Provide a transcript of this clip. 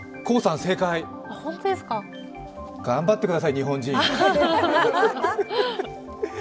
黄さん正解頑張ってください、日本人。